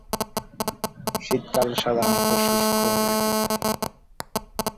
শীতকাল সাধারণত শুষ্ক ঋতু।